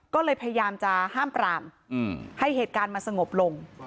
ก็เลยพยายามจะห้ามปรามให้เหตุการณ์มันสงบลง